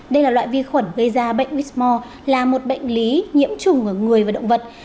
đây là loại vi khuẩn gây ra bệnh wismore là một bệnh lý nhiễm chủng của người và động vật